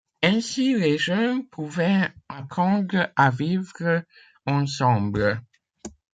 Ainsi les jeunes pouvaient apprendre à vivre ensemble.